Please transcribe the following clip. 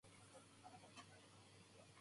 わかったよ